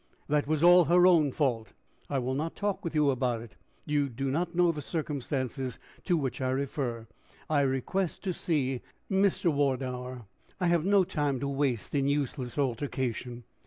"That was all her own fault." "I will not talk with you about it: you do not know the circumstances to which I refer. I request to see Mr. Wardour. I have no time to waste in useless altercation."